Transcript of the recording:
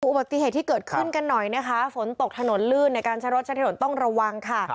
อุบัติเหตุที่เกิดขึ้นกันหน่อยนะคะฝนตกถนนลื่นในการใช้รถใช้ถนนต้องระวังค่ะ